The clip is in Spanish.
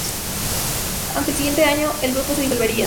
Aunque al siguiente año el grupo se disolvería.